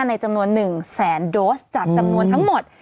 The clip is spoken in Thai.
ในจำนวน๑แสนโดสจากจำนวนทั้งหมด